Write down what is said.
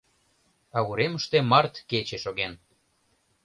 А уремыште март кече шоген.